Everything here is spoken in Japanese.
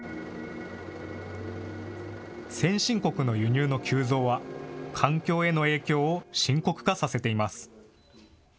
先進国の輸入の急増は、環境への影響を深刻化させています。